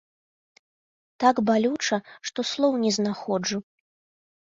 Так балюча, што слоў не знаходжу!